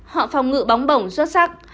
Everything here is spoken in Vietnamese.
họ phòng ngự bóng bổng xuất sắc